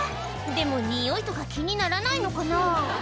でもにおいとか気にならないのかな？